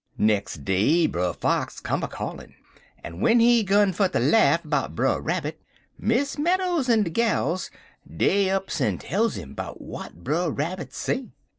"Nex' day, Brer Fox cum a callin', and w'en he gun fer ter laugh 'bout Brer Rabbit, Miss Meadows en de gals, dey ups en tells 'im 'bout w'at Brer Rabbit Say.